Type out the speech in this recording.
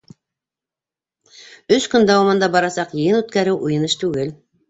Өс көн дауамында барасаҡ йыйын үткәреү - уйын эш түгел.